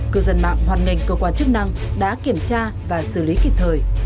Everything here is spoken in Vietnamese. cư dân mạng hoàn ngành cơ quan chức năng đã kiểm tra và xử lý kịp thời